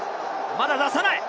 まだ出さない。